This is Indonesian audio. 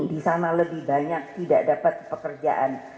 di sana lebih banyak tidak dapat pekerjaan